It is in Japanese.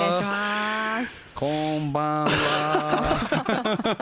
こんばんは！